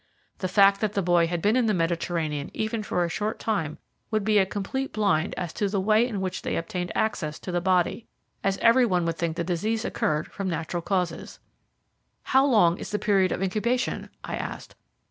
The fact that the boy had been in the Mediterranean even for a short time would be a complete blind as to the way in which they obtained access to the body, as every one would think the disease occurred from natural causes. "How long is the period of incubation?" I asked.